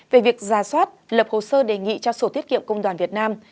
về việc giả soát lập hồ sơ đề nghị cho sổ tiết kiệm công đoàn việt nam